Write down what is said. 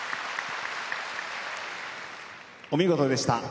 お見事でした。